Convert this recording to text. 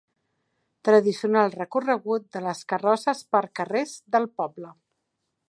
Tradicional recorregut de les carrosses per carrers del poble.